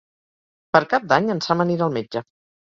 Per Cap d'Any en Sam anirà al metge.